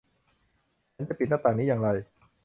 ฉันจะปิดหน้าต่างนี้อย่างไร